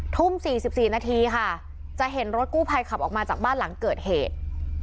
ทุ่ม๔๔นาทีค่ะจะเห็นรถกู้ภัยขับออกมาจากบ้านหลังเกิดเหตุ